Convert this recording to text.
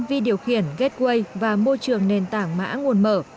vi điều khiển gateway và môi trường nền tảng mã nguồn mở